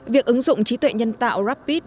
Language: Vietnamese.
việc ứng dụng trí tuệ nhân tạo rapid